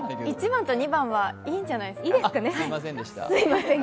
１番と２番はいいんじゃないですかね。